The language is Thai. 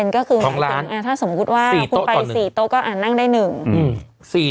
๒๕ก็คือถ้าสมมุติว่าคุณไป๔โต๊ะก็นั่งได้๑